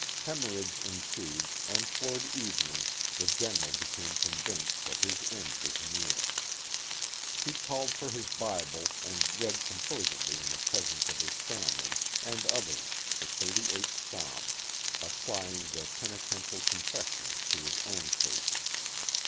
Hemorrhage ensued and toward evening the General became convinced that his end was near. He called for his Bible and read com posedly in the presence of his family and others the thirty eighth psalm, applying the penitential confessions to his own case.